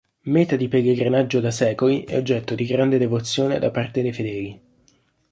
Meta di pellegrinaggio da secoli, è oggetto di grande devozione da parte dei fedeli.